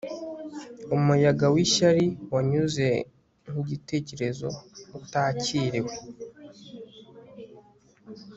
Umuyaga wishyari wanyuze nkigitekerezo utakiriwe